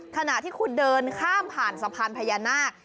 ขณะที่คุณเดินข้ามผ่านสะพานพญานาค